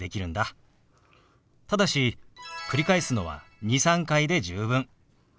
ただし繰り返すのは２３回で十分。